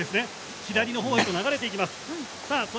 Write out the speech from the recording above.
左の方に流れていきます。